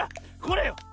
これよ。